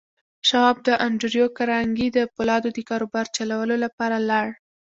شواب د انډريو کارنګي د پولادو د کاروبار چلولو لپاره لاړ.